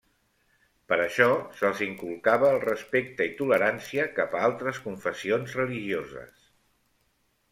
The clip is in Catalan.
Per això se'ls inculcava el respecte i tolerància cap a altres confessions religioses.